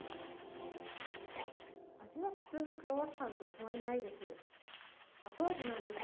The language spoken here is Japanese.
味は普通のクロワッサンと変わりないです。